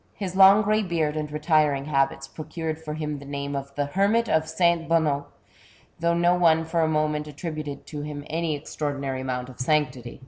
His long grey beard and retiring habits pro cured for him the name of the Hermit of St. Bonnot, though no one for a moment attributed to him any extraordinary amount of sanctity.